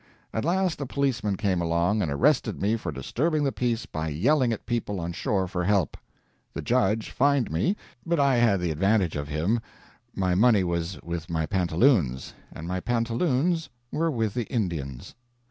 At last a policeman came along, and arrested me for disturbing the peace by yelling at people on shore for help. The judge fined me, but I had the advantage of him. My money was with my pantaloons, and my pantaloons were with the Indians.